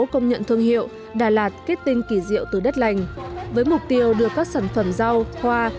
công nhận thương hiệu đà lạt kết tinh kỳ diệu từ đất lành với mục tiêu đưa các sản phẩm rau hoa